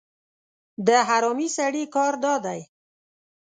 د حرامي سړي کار دا دی